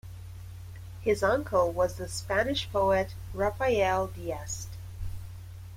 His uncle was the Spanish poet Rafael Dieste.